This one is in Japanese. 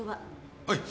はい。